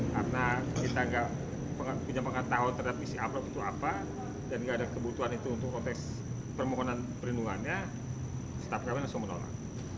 karena kita gak punya pengetahuan terhadap isi amplop itu apa dan gak ada kebutuhan itu untuk konteks permohonan perlindungannya staff kami langsung menolak